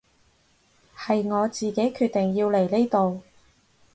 係我自己決定要嚟呢度